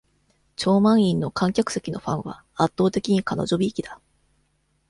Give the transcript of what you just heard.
超満員の観客席のファンは、圧倒的に彼女びいきだ。